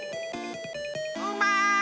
うまい！